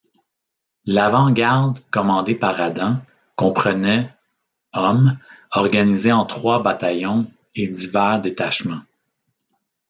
L'avant-garde commandée par Adam comprenait hommes organisés en trois bataillons et divers détachements.